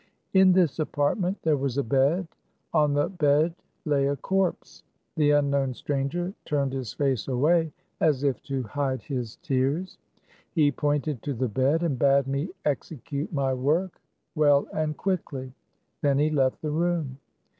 In this apartment there was a bed. On the bed lay a corpse. The unknown stranger turned his face away as if to hide his tears. He pointed to the bed, and bade me execute my work well and quickly. Then he left the room.